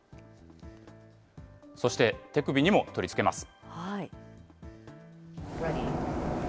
そして手首にも取り付けます。